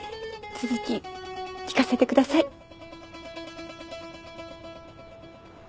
続き聞かせてください。